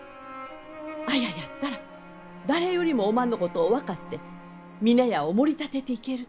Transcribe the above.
綾やったら誰よりもおまんのことを分かって峰屋をもり立てていける。